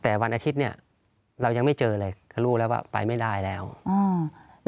แต่วันอาทิตย์เนี้ยเรายังไม่เจอเลยเขารู้แล้วว่าไปไม่ได้แล้วอืม